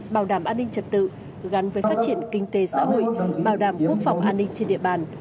bảo đảm an ninh trật tự gắn với phát triển kinh tế xã hội bảo đảm quốc phòng an ninh trên địa bàn